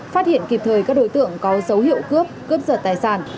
phát hiện kịp thời các đối tượng có dấu hiệu cướp cướp giật tài sản